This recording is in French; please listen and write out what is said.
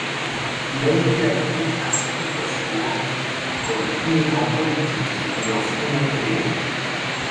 Il a été admis à Saint-Pétersbourg comme immigrant politique ayant fui Napoléon.